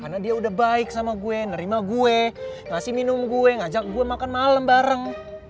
karena dia udah baik sama gue nerima gue ngasih minum gue ngajak gue makan malem bareng